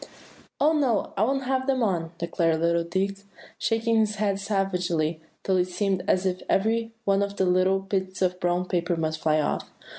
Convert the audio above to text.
"Oh, no! I won't have them on," declared little Dick, shaking his head savagely, till it seemed as if every one of the small bits of brown paper must fly off.